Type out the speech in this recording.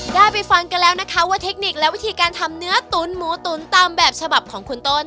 ได้ไปฟังกันแล้วนะคะว่าเทคนิคและวิธีการทำเนื้อตุ๋นหมูตุ๋นตามแบบฉบับของคุณต้น